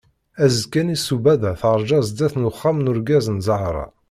Azekka-nni sudaba terǧa sdat n uxxam n urgaz n Zahra.